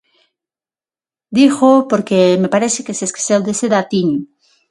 Dígoo porque me parece que se esqueceu dese datiño.